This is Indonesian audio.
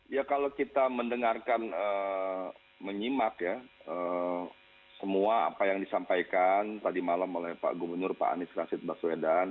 ya kalau kita mendengarkan menyimak ya semua apa yang disampaikan tadi malam oleh pak gubernur pak anies rashid baswedan